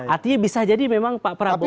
artinya bisa jadi memang pak prabowo